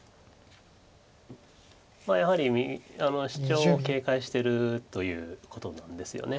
やはりシチョウを警戒してるということなんですよね。